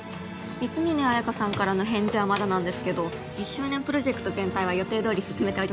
光峯綾香さんからの返事はまだなんですけど１０周年プロジェクト全体は予定どおり進めております